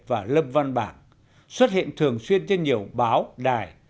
và lâm văn bản xuất hiện thường xuyên trên nhiều báo đài